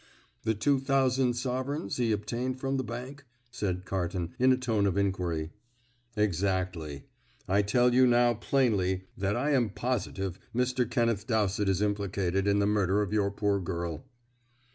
"The two thousand sovereigns he obtained from the bank," said Carton, in a tone of inquiry. "Exactly. I tell you now plainly that I am positive Mr. Kenneth Dowsett is implicated in the murder of your poor girl."